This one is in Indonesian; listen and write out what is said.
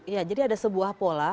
ya jadi ada sebuah pola